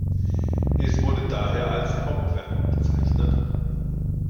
Es wurde daher als Hauptwerk bezeichnet.